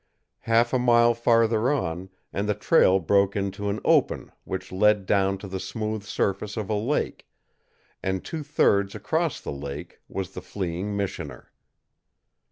Half a mile farther on, and the trail broke into an open which led down to the smooth surface of a lake, and two thirds across the lake was the fleeing missioner.